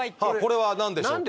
これは何でしょうか？